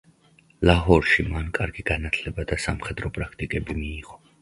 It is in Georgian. ლაჰორში მან კარგი განათლება და სამხედრო პრაქტიკები მიიღო.